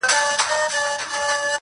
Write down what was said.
یوه لوی کمر ته پورته سو ډېر ستړی؛